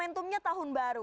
untungnya tahun baru